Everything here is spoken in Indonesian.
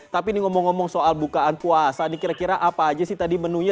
tapi ini ngomong ngomong soal bukaan puasa ini kira kira apa aja sih tadi menunya